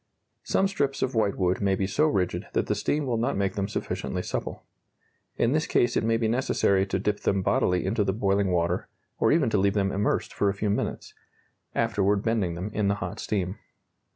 Some strips of whitewood may be so rigid that the steam will not make them sufficiently supple. In this case it may be necessary to dip them bodily into the boiling water, or even to leave them immersed for a few minutes; afterward bending them in the hot steam.